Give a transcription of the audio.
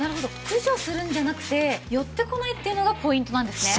駆除するんじゃなくて寄ってこないっていうのがポイントなんですね。